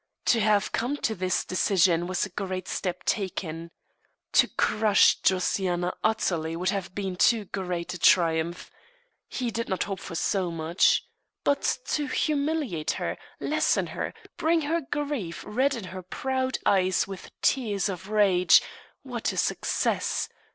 To have come to this decision was a great step taken. To crush Josiana utterly would have been too great a triumph. He did not hope for so much; but to humiliate her, lessen her, bring her grief, redden her proud eyes with tears of rage what a success!